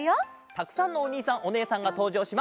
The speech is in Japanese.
たくさんのおにいさんおねえさんがとうじょうします！